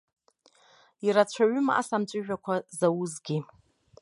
Ирацәаҩым ас амҵәыжәҩақәа заузгьы.